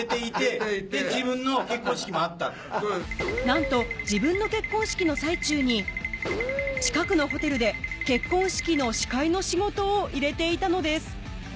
なんと自分の結婚式の最中に近くのホテルで結婚式の司会の仕事を入れていたのです